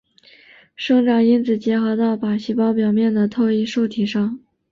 生长因子结合到靶细胞表面的特异受体上。